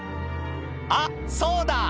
「あっそうだ！